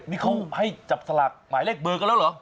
นี่เขาให้จับสลากหมายเลขเบอร์กันแล้วเหรอ